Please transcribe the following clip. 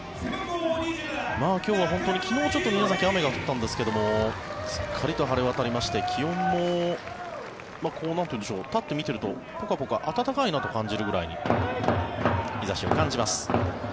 今日は本当に昨日、宮崎雨が降ったんですがすっかりと晴れ渡りまして気温もパッと見ているとポカポカ暖かいなと感じるぐらい日差しを感じます。